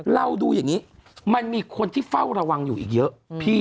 เราดูอย่างนี้มันมีคนที่เฝ้าระวังอยู่อีกเยอะพี่